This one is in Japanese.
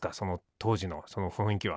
当時のその雰囲気は。